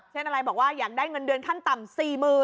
เช่นอะไรบอกว่าอยากได้เงินเดือนขั้นต่ำ๔๐๐๐